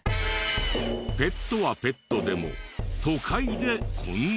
ペットはペットでも都会でこんな生き物が。